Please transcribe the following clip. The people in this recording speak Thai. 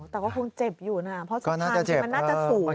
แต่ก็คงเจ็บอยู่นะเพราะสุดท้ายมันน่าจะสูง